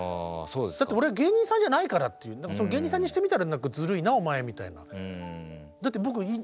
だって「俺芸人さんじゃないから」っていう芸人さんにしてみたら「ずるいなお前」みたいな。